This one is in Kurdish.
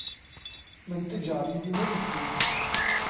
Min ti carî wî nedîtiye.